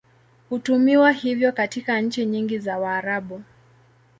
Hutumiwa hivyo katika nchi nyingi za Waarabu.